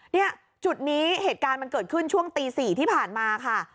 เนี่ยจุดนี้เหตุการณ์มันเกิดขึ้นช่วงตี๔ที่ผ่านมาค่ะ